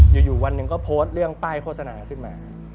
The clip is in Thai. อยู่วันหนึ่งก็โพสต์เรื่องป้ายโฆษณาขึ้นมา